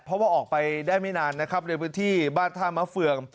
เพราะว่าออกไปได้ไม่นานนะครับในพื้นที่บ้านท่ามะเฟือง